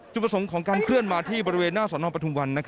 ประสงค์ของการเคลื่อนมาที่บริเวณหน้าสนปทุมวัน